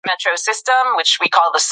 هر نوی درس یوه نوې نړۍ ده.